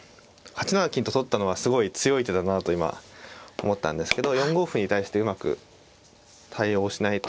８七金と取ったのはすごい強い手だなと今思ったんですけど４五歩に対してうまく対応しないと。